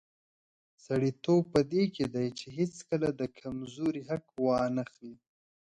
سړیتوب په دې کې دی چې هیڅکله د کمزوري حق وانخلي.